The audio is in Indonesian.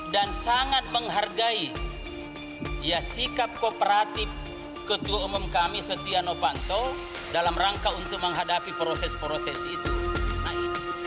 dan sangat menghargai sikap kooperatif ketua umum kami setia novanto dalam rangka untuk menghadapi proses proses itu